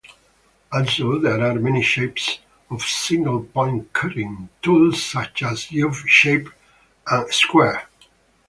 Also, there are many shapes of "single-point cutting" tools, such as "V-shaped" and "Square.